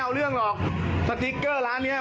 ไมถึงจะทำเป็นจากร้านหรือหรอ